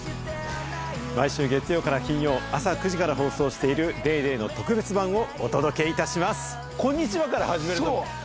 毎週月曜から金曜朝９時から放送している『ＤａｙＤａｙ．』の特別版をお届けいたします。